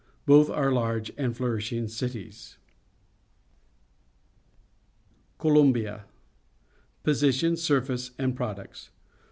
Both are large and flourishing cities. COLOMBIA Position, Surface, and Products.